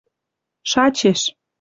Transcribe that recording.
шачеш